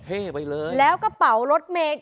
ไปเลยแล้วกระเป๋ารถเมฆ